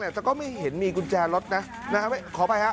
แต่ก็ไม่เห็นมีกุญแจรถนะครับขอไปครับ